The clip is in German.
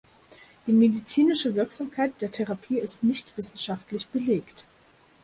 Die medizinische Wirksamkeit der Therapie ist nicht wissenschaftlich belegt.